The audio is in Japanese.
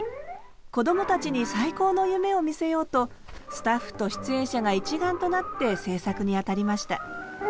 「こどもたちに最高の夢を見せよう」とスタッフと出演者が一丸となって制作にあたりました。